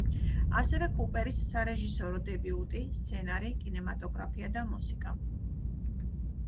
ასევე კუპერის სარეჟისორო დებიუტი, სცენარი, კინემატოგრაფია და მუსიკა.